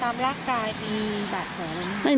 กามร่างกายมีบากแผลมั้ยค่ะ